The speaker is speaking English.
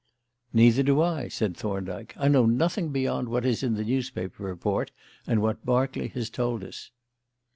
"Neither do I," said Thorndyke. "I know nothing beyond what is in the newspaper report and what Berkeley has told us."